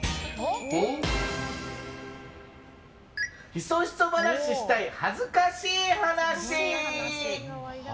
ヒソヒソ話したい恥ずかしい話。